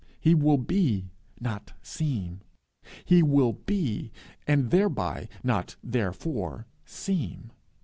He will be, not seem. He will be, and thereby, not therefore, seem.